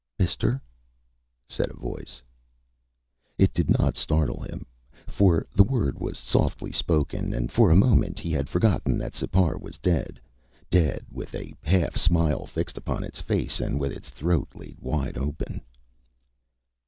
"Mister," said a voice. It did not startle him, for the word was softly spoken and for a moment he had forgotten that Sipar was dead dead with a half smile fixed upon its face and with its throat laid wide open.